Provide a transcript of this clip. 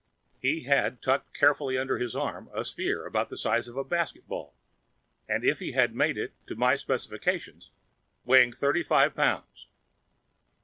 He had tucked carefully under his arm a sphere of about the size of a basketball and, if he had made it to my specifications, weighing thirty five pounds.